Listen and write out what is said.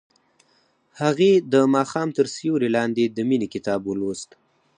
هغې د ماښام تر سیوري لاندې د مینې کتاب ولوست.